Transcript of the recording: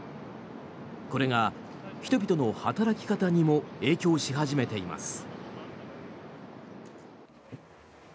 これが人々の働き方にも影響し始めています。